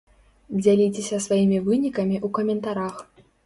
Дзяліцеся сваімі вынікамі ў каментарах!